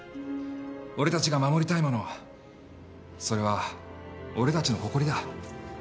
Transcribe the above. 俺たちが守りたいものそれは俺たちの誇りだ。